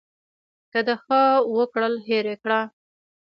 که د ښه وکړل هېر یې کړه .